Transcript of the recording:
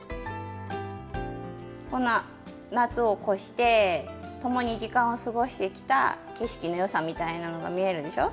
こんな夏を越してともに時間を過ごしてきた景色のよさみたいなのが見えるでしょ。